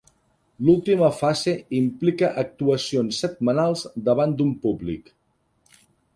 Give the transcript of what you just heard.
L'última fase implica actuacions setmanals davant d'un públic.